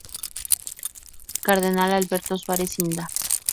Cardenal Alberto Suárez Inda.